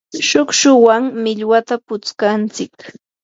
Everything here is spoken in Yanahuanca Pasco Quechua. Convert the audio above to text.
shukshuwan millwata putskantsik.